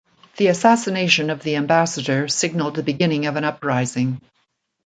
The assassination of the ambassador signaled the beginning of an uprising.